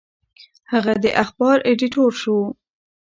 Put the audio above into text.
هغه د اخبار ایډیټور شو.